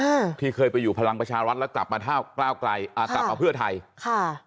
อ่าที่เคยไปอยู่พลังประชารัฐแล้วกลับมาเท่ากล้าวไกลอ่ากลับมาเพื่อไทยค่ะ